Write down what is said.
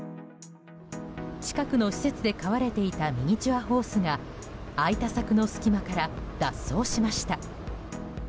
近くの施設で飼われていたミニチュアホースが開いた柵の隙間から脱走しました。